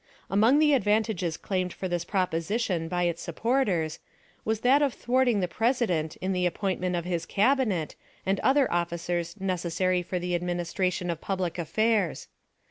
Among the advantages claimed for this proposition by its supporters was that of thwarting the President in the appointment of his Cabinet and other officers necessary for the administration of public affairs.